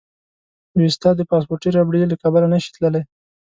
اوېستا د پاسپورتي ربړې له کبله نه شي تللی.